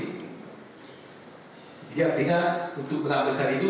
jadi artinya untuk penambil tanda itu